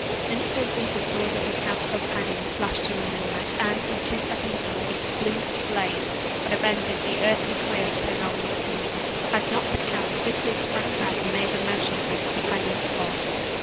Instantly the sword of the count's companion flashed in the moonlight, and, in two seconds more, its blue blade would have ended the earthly career of Sir Norman Kingsley, had not the count quickly sprang back, and made a motion for his companion to hold.